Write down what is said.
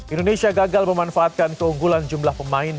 indonesia gagal memanfaatkan keunggulan jumlah pemain